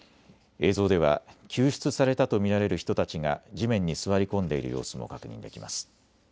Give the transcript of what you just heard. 映像では救出されたと見られる人たちが地面に座り込んでいる様子も確認できます。